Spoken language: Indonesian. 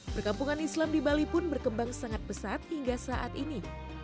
perkampungan islam di bali pun berkembang sangat pesat hingga saat ini